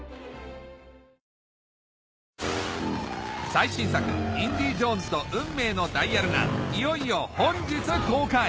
最新作『インディ・ジョーンズと運命のダイヤル』がいよいよ本日公開